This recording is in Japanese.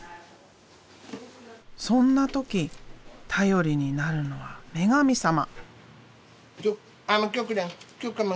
そんな時頼りになるのは女神様。